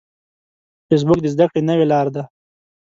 فېسبوک د زده کړې نوې لاره ده